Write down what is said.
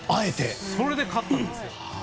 それで勝ったんです。